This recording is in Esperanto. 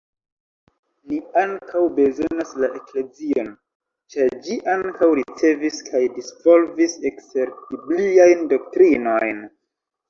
Ni ankaŭ bezonas la eklezion, ĉar ĝi ankaŭ ricevis kaj disvolvis ekster-bibliajn doktrinojn.